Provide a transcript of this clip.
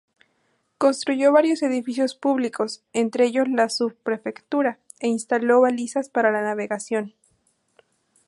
Construyó varios edificios públicos, entre ellos la subprefectura, e instaló balizas para la navegación.